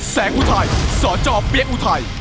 แสงอุทัยส่อจอเปี๊ยกอุทัย